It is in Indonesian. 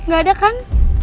gak ada kan